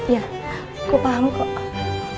ya aku paham kok